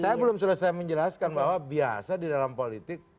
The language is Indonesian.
saya belum sudah saya menjelaskan bahwa biasa di dalam politik